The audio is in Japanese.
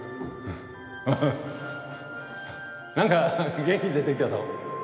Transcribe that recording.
あっ何か元気出てきたぞ。